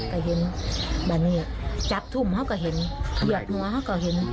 ก็เห็นแบบนี้จับทุ่มเขาก็เห็นเหยียบหัวเขาก็เห็น